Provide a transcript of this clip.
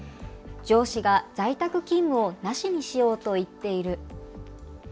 上司が在宅勤務をなしにしようと言っている。